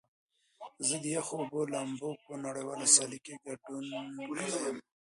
زه د یخو اوبو لامبو په نړیواله سیالۍ کې ګډون کړی یم.